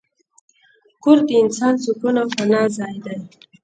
کور د انسان د سکون او پناه ځای دی.